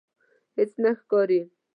هیڅ نه ښکاري